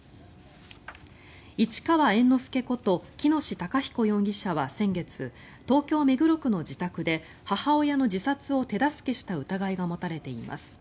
市川猿之助こと喜熨斗孝彦容疑者は先月東京・目黒区の自宅で母親の自殺を手助けした疑いが持たれています。